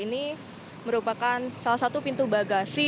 ini merupakan salah satu pintu bagasi